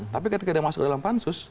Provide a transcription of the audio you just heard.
tapi ketika dia masuk ke dalam pansus